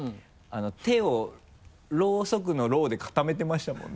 手をロウソクのロウで固めてましたもんね。